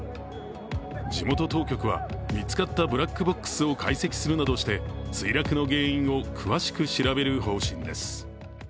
地元当局は、見つかったブラックボックスを解析するなどして墜落の原因を詳しく調べる方針です。